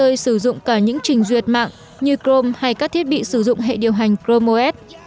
google đã giới thiệu stadia cho phép người chơi sử dụng cả những trình duyệt mạng như chrome hay các thiết bị sử dụng hệ điều hành chrome os